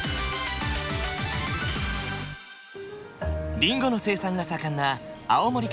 りんごの生産が盛んな青森県。